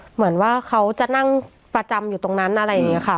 เหมือนว่าเขาจะนั่งประจำอยู่ตรงนั้นอะไรอย่างนี้ค่ะ